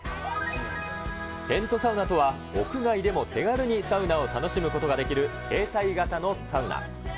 テントサウナとは、屋外でも手軽にサウナを楽しむことができる携帯型のサウナ。